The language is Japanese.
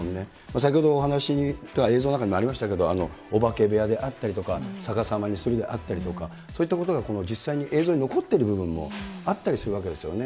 先ほどお話が映像の中にもありましたけど、お化け部屋であったりとか、逆さまにするであったりとか、そういったことが実際に映像に残ってる部分もあったりするわけですよね。